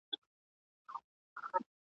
بېړۍ به خدای خبر چي د ساحل غېږ ته رسېږي !.